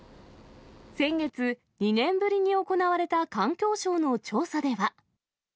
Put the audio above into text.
先月、２年ぶりに行われた環境省の調査では。